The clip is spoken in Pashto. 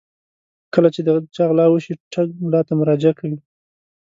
کله چې د چا غلا وشي ټګ ملا ته مراجعه کوي.